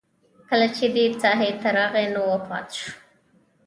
کله چې دې ساحې ته راغی نو وفات شو.